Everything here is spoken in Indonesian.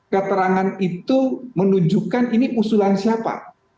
keterangan itu menunjukkan ini usulan siapa